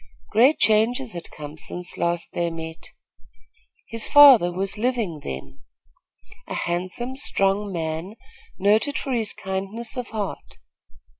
Great changes had come since last they met. His father was living then, a handsome, strong man, noted for his kindness of heart.